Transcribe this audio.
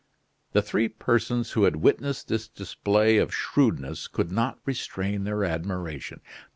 The three persons who had witnessed this display of shrewdness could not restrain their admiration.